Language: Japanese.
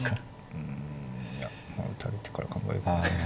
うんいやまあ打たれてから考える。